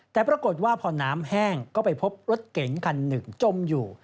แต่ปรากฏว่าพอน้ำแห้งก็ไปพบรถเก๋งคันหนึ่งจมอยู่